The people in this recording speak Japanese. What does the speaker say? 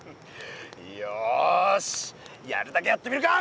よしやるだけやってみるか！